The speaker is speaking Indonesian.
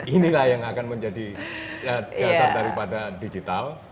inilah yang akan menjadi dasar daripada digital